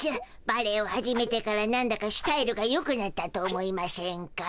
バレエを始めてからなんだかスタイルがよくなったと思いましぇんか？